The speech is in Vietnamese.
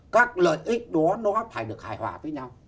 các lợi ích đó nó phải được hài hòa với nhau